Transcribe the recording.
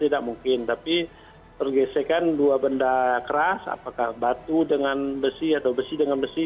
tidak mungkin tapi pergesekan dua benda keras apakah batu dengan besi atau besi dengan besi